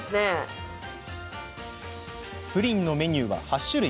プリンのメニューは８種類。